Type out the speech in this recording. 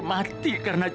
saya harus lebih tegas lagi